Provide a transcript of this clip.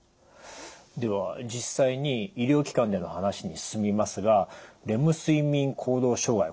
では実際に医療機関での話に進みますがレム睡眠行動障害